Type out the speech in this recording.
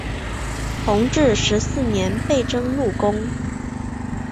弘治十四年被征入宫。